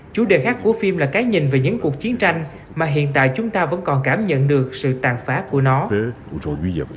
chủ đề khác của phim là cái nhìn về những cuộc chiến tranh mà hiện tại chúng ta vẫn còn cảm nhận được sự tàn phá của nó